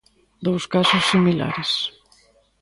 Dous casos similares.